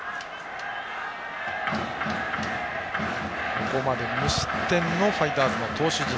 ここまで無失点のファイターズの投手陣。